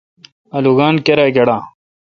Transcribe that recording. آلوگان کیرا گیڈا۔